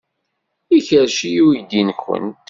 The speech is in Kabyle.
Ikerrec-iyi uydi-nwent.